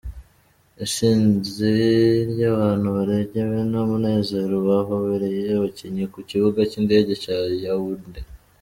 Isinzi ry'abantu barengewe n'umunezero bahobereye abakinyi ku kibuga c'indege ca Yaounde.